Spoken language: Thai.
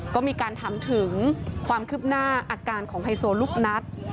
ก็มีการถามถึงความคืบหน้าอาการของไฮโซลูกนัท